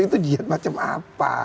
itu jahat macam apa